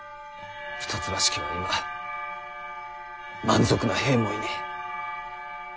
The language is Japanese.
一橋家は今満足な兵もいねぇ。